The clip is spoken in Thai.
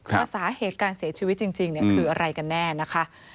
ว่าสาเหตุการเสียชีวิตจริงคืออะไรกันแน่นะคะ